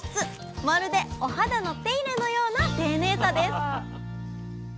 まるでお肌の手入れのような丁寧さです！